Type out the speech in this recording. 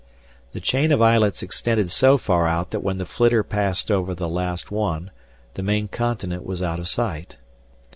The chain of islets extended so far out that when the flitter passed over the last one the main continent was out of sight.